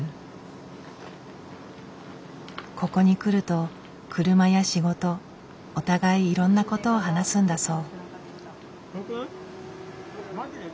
ここに来ると車や仕事お互いいろんなことを話すんだそう。